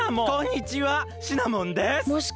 こんにちはしなもんです。